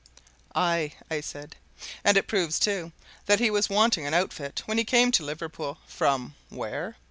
"Aye!" I said. "And it proves, too, that he was wanting an outfit when he came to Liverpool from where?